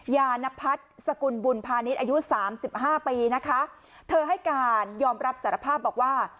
ยานพัฒน์สกุลบุญพาณิชย์อายุสามสิบห้าปีนะคะเธอให้การยอมรับสารภาพบอกว่า